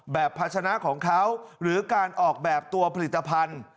ภาชนะของเขาหรือการออกแบบตัวผลิตภัณฑ์